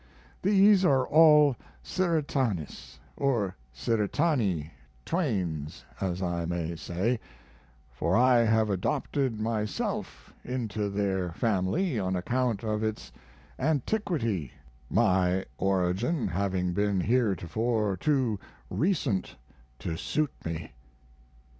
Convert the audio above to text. These are all Cerretanis or Cerretani Twains, as I may say, for I have adopted myself into their family on account of its antiquity my origin having been heretofore too recent to suit me.